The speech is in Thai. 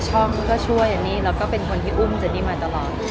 มันก็ช่วยเจนนี่แล้วก็เป็นคนที่อุ้มเจนนี่มาตลอด